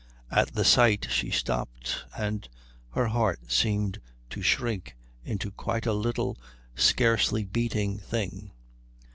At the sight she stopped, and her heart seemed to shrink into quite a little, scarcely beating thing.